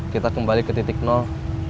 kita kembali ke titik nol